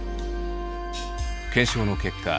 検証の結果